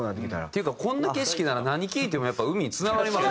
っていうかこんな景色なら何聴いても海につながります。